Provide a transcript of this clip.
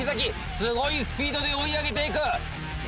すごいスピードで追い上げていく。